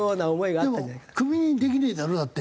でもクビにできねえだろ？だって。